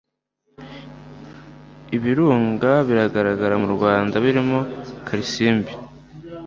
Ibirunga bigaragara mu Rwanda birimo Karisimbi,